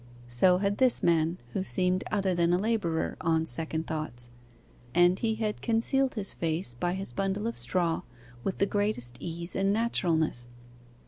So had this man, who seemed other than a labourer, on second thoughts: and he had concealed his face by his bundle of straw with the greatest ease and naturalness.